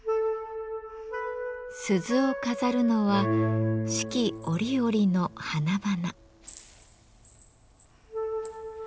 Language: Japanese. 鈴を飾るのは四季折々の花々。